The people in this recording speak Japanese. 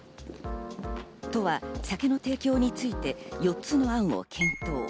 都は酒の提供について４つの案を検討。